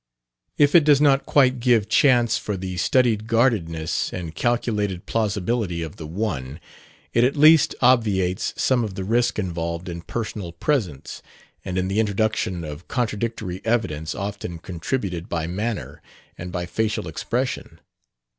If it does not quite give chance for the studied guardedness and calculated plausibility of the one, it at least obviates some of the risk involved in personal presence and in the introduction of contradictory evidence often contributed by manner and by facial expression.